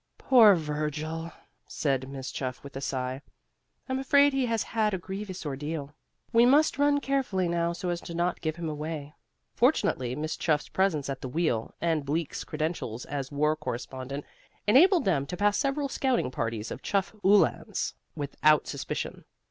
"Poor Virgil!" said Miss Chuff with a sigh. "I'm afraid he has had a grievous ordeal. We must run carefully now, so as not to give him away." Fortunately Miss Chuff's presence at the wheel, and Bleak's credentials as war correspondent, enabled them to pass several scouting parties of chuff uhlans without suspicion.